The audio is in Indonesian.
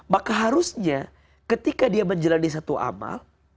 maka harusnya ketika dia menjalani satu amal